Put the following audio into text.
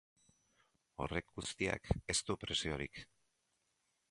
Horrek guztiak ez du preziorik.